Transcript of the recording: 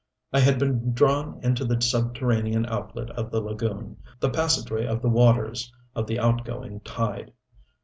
I had been drawn into the subterranean outlet of the lagoon, the passageway of the waters of the outgoing tide.